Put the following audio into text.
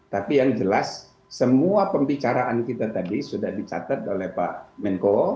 tapi yang jelas semua pembicaraan kita tadi sudah dicatat oleh pak menko